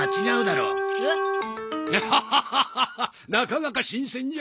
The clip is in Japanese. ワハハハハなかなか新鮮じゃ。